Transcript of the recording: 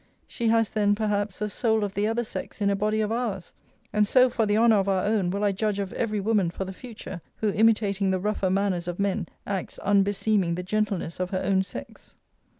She has then, perhaps, a soul of the other sex in a body of ours. And so, for the honour of our own, will I judge of every woman for the future, who imitating the rougher manners of men, acts unbeseeming the gentleness of her own sex.